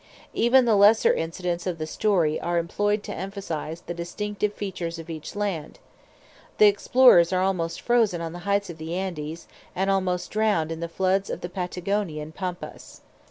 Even the lesser incidents of the story are employed to emphasise the distinctive features of each land. The explorers are almost frozen on the heights of the Andes, and almost drowned in the floods of the Patagonian Pampas.